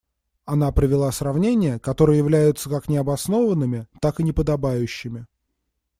Она привела сравнения, которые являются как необоснованными, так и неподобающими.